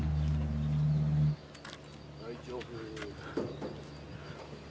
「大丈夫」